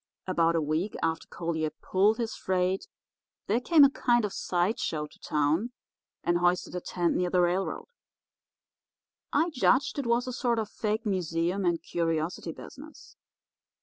"About a week after Collier pulled his freight there came a kind of side show to town, and hoisted a tent near the railroad. I judged it was a sort of fake museum and curiosity business.